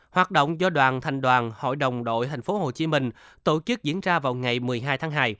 hoạt động do đoàn thành đoàn hội đồng đội tp hcm tổ chức diễn ra vào ngày một mươi hai tháng hai